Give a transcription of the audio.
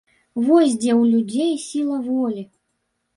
Вось дзе ў людзей сіла волі!